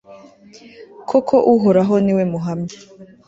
koko uhoraho ni we muhamya